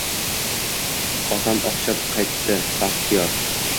… Otam oqshom qaytdi – bahtiyor